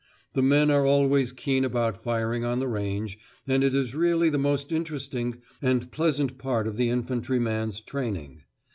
The men are always keen about firing on the range, and it is really the most interesting and pleasant part of the infantryman's training.